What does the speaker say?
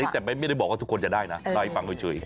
แต่ไม่ได้บอกว่าทุกคนจะได้นะเล่าให้ฟังเฉย